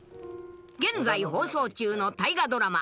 現在放送中の大河ドラマ